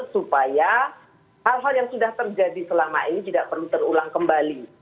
supaya hal hal yang sudah terjadi selama ini tidak perlu terulang kembali